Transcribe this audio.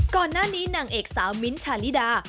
ก่อนหน้านี้นางเอกสาวมิ้นท์ชาลิดา